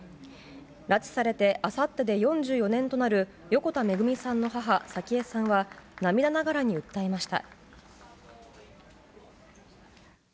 拉致されてあさってで４４年となる横田めぐみさんの母・早紀江さんは涙ながらに訴えました。